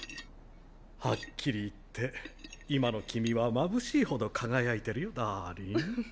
はっきり言って今の君はまぶしいほど輝いてるよダーリン。